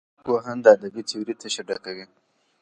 کوهن د ادبي تیورۍ تشه ډکه کړه.